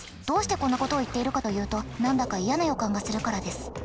どうしてこんなことを言っているかというと何だか嫌な予感がするからです。